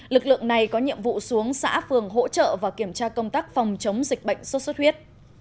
lực lượng này có nhiệm vụ xuống xã phường hỗ trợ và kiểm tra công tác phòng chống dịch bệnh sốt xuất huyết